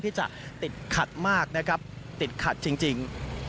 ที่จะติดขัดมากนะครับติดขัดจริง